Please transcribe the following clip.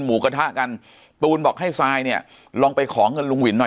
หมูกระทะกันตูนบอกให้ทรายเนี่ยลองไปขอเงินลุงวินหน่อย